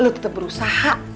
lu tetep berusaha